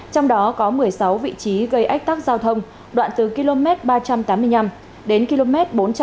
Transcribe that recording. trong đó có một mươi sáu vị trí gây ách tắc giao thông đoạn từ km ba trăm tám mươi năm đến km bốn trăm một mươi hai năm trăm linh